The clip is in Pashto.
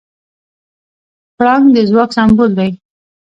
پړانګ د ځواک سمبول دی.